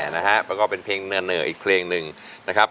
แล้วก็เป็นเพลงเหน่ออีกเพลงหนึ่งนะครับ